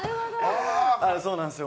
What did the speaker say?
そうなんですよ。